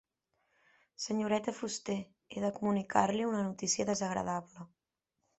Senyoreta Fuster, he de comunicar-li una notícia desagradable.